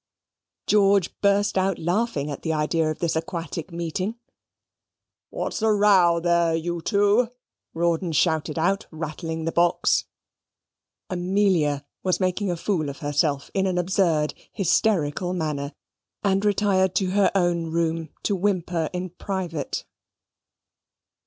George burst out laughing at the idea of this aquatic meeting. "What's the row there, you two?" Rawdon shouted out, rattling the box. Amelia was making a fool of herself in an absurd hysterical manner, and retired to her own room to whimper in private.